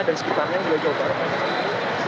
dan sekitarnya juga jauh dari kita